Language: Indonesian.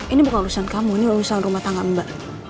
ini bukan urusan kamu ini lulusan rumah tangga mbak